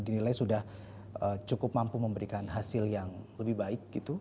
dinilai sudah cukup mampu memberikan hasil yang lebih baik gitu